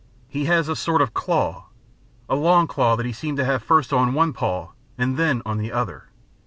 "He has a sort of claw a long claw that he seemed to have first on one paw and then on the other.